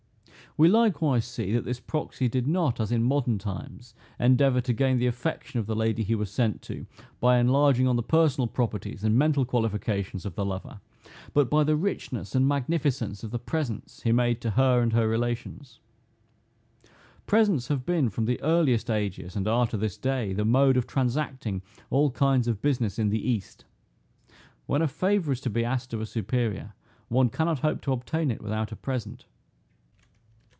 We likewise see, that this proxy did not, as in modern times, endeavor to gain the affection of the lady he was sent to, by enlarging on the personal properties, and mental qualifications of the lover; but by the richness and magnificence of the presents he made to her and her relations. Presents have been, from the earliest ages, and are to this day, the mode of transacting all kinds of business in the east. When a favor is to be asked of a superior, one cannot hope to obtain it without a present.